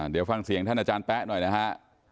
เดี๋ยวฟังเสียงท่านอาจารย์แป๊ะหน่อยนะฮะ